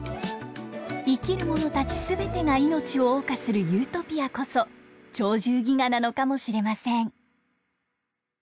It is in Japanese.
生きるものたち全てが命を謳歌するユートピアこそ「鳥獣戯画」なのかもしれません。